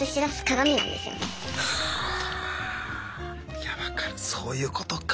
いやわかるそういうことか。